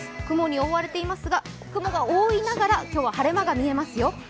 雲に覆われていますが、雲が多いながら今日は晴れ間が見えますよ。